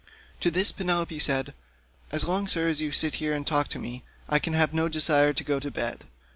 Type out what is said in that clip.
To this Penelope said, "As long, sir, as you will sit here and talk to me, I can have no desire to go to bed.